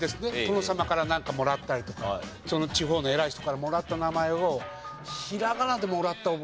殿様からなんかもらったりとかその地方の偉い人からもらった名前を。